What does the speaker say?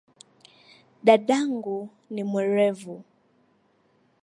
Dadangu ni mwerevu